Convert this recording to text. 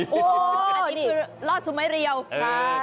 อันนี้คือรอดซุ้มไม้เรียว